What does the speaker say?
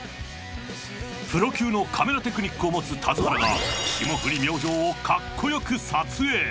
プロ級のカメラテクニックを持つ田津原が霜降り明星をかっこよく撮影。